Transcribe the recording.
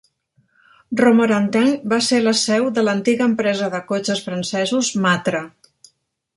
Romorantin va ser la seu de l'antiga empresa de cotxes francesos Matra.